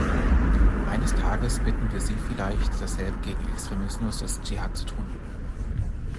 Eines Tages bitten wir sie vielleicht, dasselbe gegen den Extremismus des Dschihad zu tun.